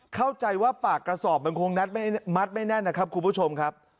เข้าใจว่าปากกระสอบมันคงมัดไม่แน่นนะครับคุณผู้ชมครับ